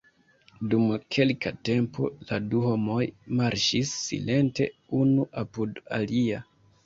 Dum kelka tempo la du homoj marŝis silente unu apud alia.